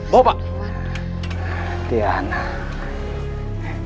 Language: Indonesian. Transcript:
bawa dia ke bawah